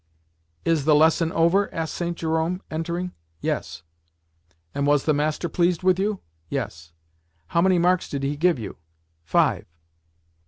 "Is the lesson over?" asked St. Jerome, entering. "Yes." "And was the master pleased with you?" "Yes." "How many marks did he give you?" "Five."